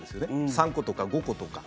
３個とか５個とか。